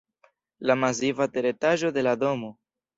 La masiva teretaĝo de la domo nr.